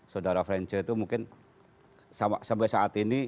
saudara franchie itu mungkin sampai saat ini